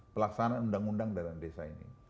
pelaksanaan undang undang dana desa ini